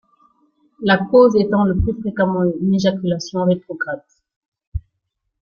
La cause étant le plus fréquemment une éjaculation rétrograde.